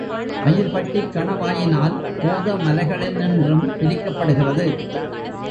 அயில்பட்டிக் கணவாயினால் போத மலைகளினின்றும் பிரிக்கப்படுகிறது.